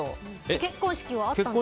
結婚式はあったの？